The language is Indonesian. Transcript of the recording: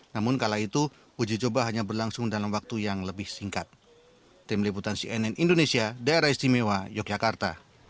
namun kala itu uji coba hanya berlangsung dalam waktu yang lebih singkat